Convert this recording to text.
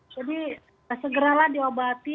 jadi segeralah diobati